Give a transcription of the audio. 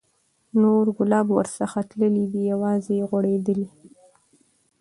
نور ګلاب ورڅخه تللي، دی یوازي غوړېدلی